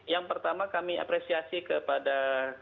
yang pertama kami apresiasi kepada